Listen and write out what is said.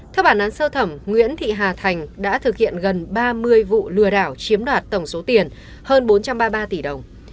theo bản án sơ thẩm nguyễn thị hà thành đã thực hiện gần ba mươi vụ lừa đảo chiếm đoạt tổng số tiền hơn bốn trăm ba mươi ba tỷ đồng